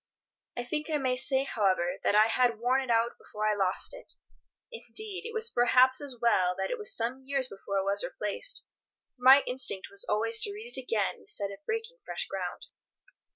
I think I may say, however, that I had worn it out before I lost it. Indeed, it was perhaps as well that it was some years before it was replaced, for my instinct was always to read it again instead of breaking fresh ground.